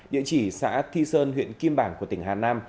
địa chỉ xã thi sơn huyện kim bảng của tỉnh hà nam